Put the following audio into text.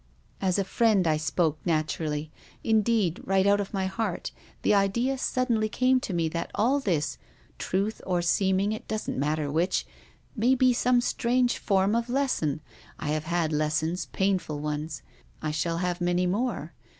" As a friend I spoke naturally, indeed, right out of my heart. The idea suddenly came to me that all this, — truth or seeming, it doesn't matter which, — may be some strange form of lesson. I have had lessons — painful ones. I shall have many more.